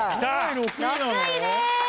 ６位です！